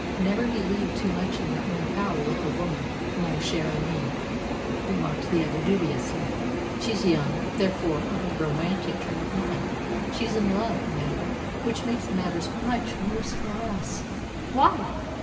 "Never believe too much in your own power with a woman, mon cher ami," remarked the other dubiously. "She's young, therefore of a romantic turn of mind. She's in love, remember, which makes matters much worse for us." "Why?"